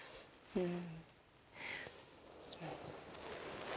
うん。